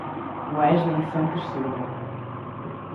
Weslen Santos Silva